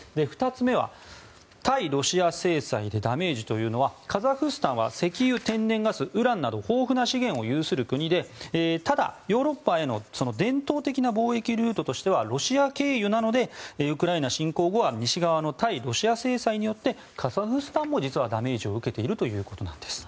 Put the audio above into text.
２つ目は対ロシア制裁でダメージというのはカザフスタンは石油・天然ガス、ウランなど豊富な資源を有する国でただ、ヨーロッパへの伝統的な貿易ルートとしてはロシア経由なのでウクライナ侵攻後は西側の対ロシア制裁によってカザフスタンも実はダメージを受けているということなんです。